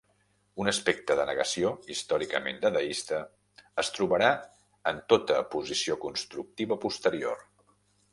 Un aspecte de negació, històricament dadaista, es trobarà en tota posició constructiva posterior.